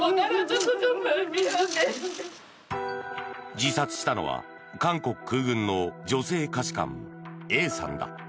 自殺したのは韓国空軍の女性下士官Ａさんだ。